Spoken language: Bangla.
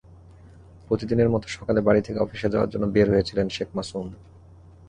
প্রতিদিনের মতো সকালে বাড়ি থেকে অফিসে যাওয়ার জন্য বের হয়েছিলেন শেখ মাসুম।